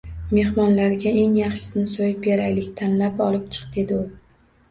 Mehmonlarga eng yaxshisini soʻyib beraylik, tanlab olib chiq, dedi u